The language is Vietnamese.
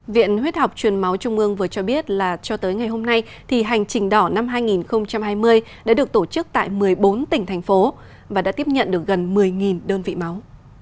viện huyết học truyền máu trung ương vừa cho biết là cho tới ngày hôm nay thì hành trình đỏ năm hai nghìn hai mươi đã được tổ chức tại một mươi bốn tỉnh thành phố và đã tiếp nhận được gần một mươi đơn vị máu